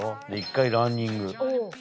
１階ランニング。